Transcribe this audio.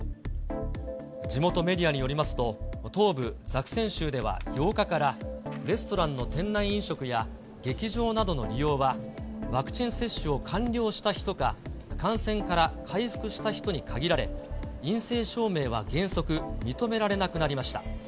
地元メディアによりますと、東部ザクセン州では８日からレストランの店内飲食や、劇場などの利用は、ワクチン接種を完了した人か、感染から回復した人に限られ、陰性証明は原則認められなくなりました。